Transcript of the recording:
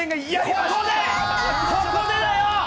ここで、ここでだよ！